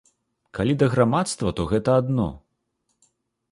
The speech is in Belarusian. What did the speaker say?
Калі да грамадства, то гэта адно.